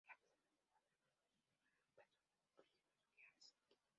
Rápidamente encuentran los huesos de nueve personas, incluyendo a Kearns.